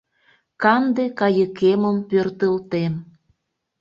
Канде кайыкемым пöртылтем.